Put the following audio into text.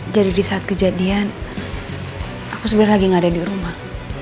jadi di saat kejadian aku sebenarnya lagi gak ada di rumah